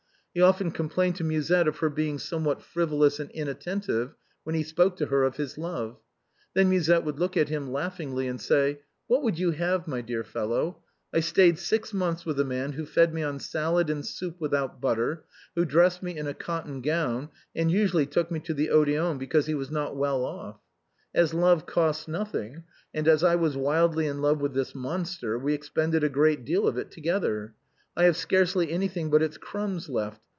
He often complained to Musette of her being somewhat frivolous and inattentive when he spoke to her of his love. Then Musette would look at him laughingly and say :" What would you have, my dear fellow ? I stayed six months with a man who fed me on salad and soup without butter, who dressed me in a cotton gown, and usually took me to the Odéon because he was not well off. As love wsi 190 THE BOHEMIANS OF THE LATIN QUARTER. nothing, and as I was wildly in love with this monster. we expended a great deal of it together. I have scarcely anything but its crumbs left.